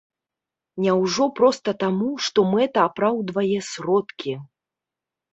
Няўжо проста таму, што мэта апраўдвае сродкі?